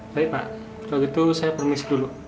baik pak kalau gitu saya permisi dulu